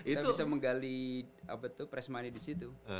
kita bisa menggali apa itu press money disitu